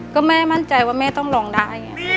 ก็ไม่มั่นใจว่าไม่อยากลองได้